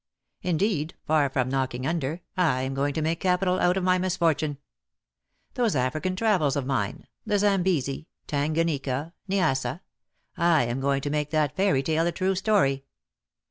Indeed, far from knocking under, I am going to make capital out of my misfortune. Those African travels of mine — the Zambesi, Tanganyika — Nyassa. I am going to make that fairy tale a true story."